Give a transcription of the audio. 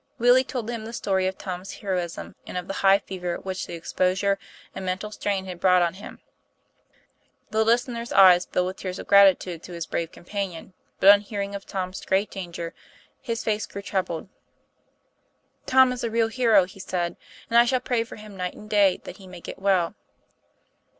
Willie told him the story of Tom's heroism, and of the high fever which the exposure and mental strain had brought on him. The listener's eyes filled with tears of gratitude to his brave companion, but on hearing of Tom's great danger, his face grew troubled. "Tom is a real hero," he said, "and I shall pray for him night and day, that he may get well."